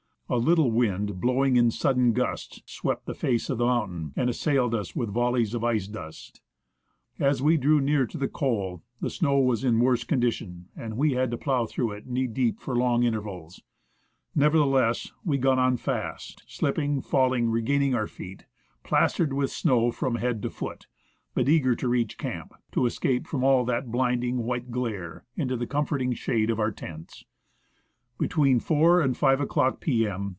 A little wind blowing in sudden gusts swept the face of the mountain, and assailed us with volleys of icy dust. As we drew near to the col the snow was in worse con dition, and we had to plough through it knee deep for long intervals. Nevertheless, we got on fast, slipping, falling, regaining our feet, plastered with snow from head to foot, but eager to reach camp, to 160 u X % o w o o u o u u h O w w o a: u THE ASCENT OF MOUNT ST. ELIAS escape from all that blinding, white glare, into the comforting shade of our tents. Between 4 and 5 o'clock p.m.